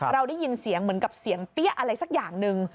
เราได้ยินเสียงเหมือนกับเสียงเปี้ยอะไรสักอย่างหนึ่ง